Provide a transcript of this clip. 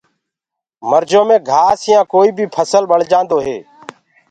مرجو مينٚ گآس يآ ڪوئي بي ڦسل ڀݪجآندو هي۔